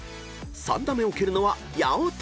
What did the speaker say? ［３打目を蹴るのは八乙女］